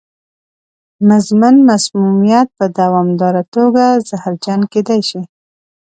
مزمن مسمومیت په دوامداره توګه زهرجن کېدل دي.